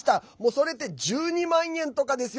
それって１２万円とかですよ。